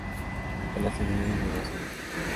El asteroide lleva su nombre.